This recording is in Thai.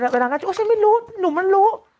เวลาก็โอ๊ยฉันไม่รู้หนุ่มมันรู้